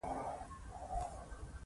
نو بیا پلار څوک دی؟ روح القدس یې پلار دی؟